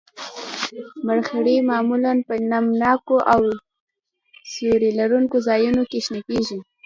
مرخیړي معمولاً په نم ناکو او سیوري لرونکو ځایونو کې شنه کیږي